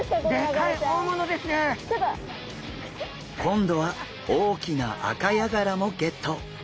今度は大きなアカヤガラもゲット！